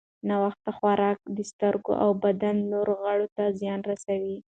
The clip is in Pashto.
ناوخته خوراک د سترګو او بدن نورو غړو ته زیان رسوي.